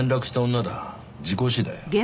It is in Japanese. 事故死だよ。